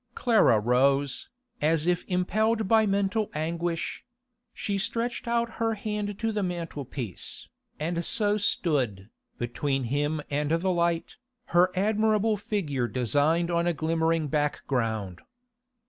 Clara rose, as if impelled by mental anguish; she stretched out her hand to the mantel piece, and so stood, between him and the light, her admirable figure designed on a glimmering background.